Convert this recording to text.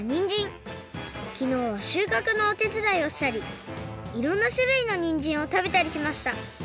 きのうはしゅうかくのおてつだいをしたりいろんなしゅるいのにんじんをたべたりしました。